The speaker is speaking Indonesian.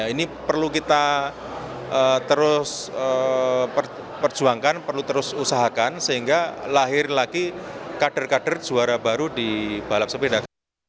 ini perlu kita terus perjuangkan perlu terus usahakan sehingga lahir lagi kader kader juara baru di balap sepeda